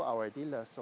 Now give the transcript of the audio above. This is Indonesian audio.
melalui pembeli kami